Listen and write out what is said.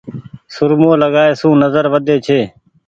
سرمو لگآئي سون نزر وڌي ڇي۔